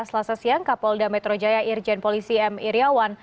selasa siang kapolda metro jaya irjen polisi m iryawan